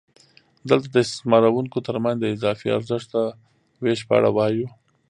دلته د استثماروونکو ترمنځ د اضافي ارزښت د وېش په اړه وایو